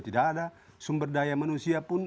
tidak ada sumber daya manusia pun